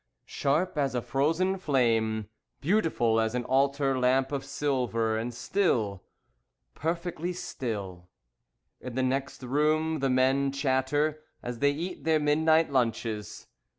Sharp as a frozen flame, Beautiful as an altar lamp of silver, And still. Perfectly still. In the next room, the men chatter As they eat their midnight lunches.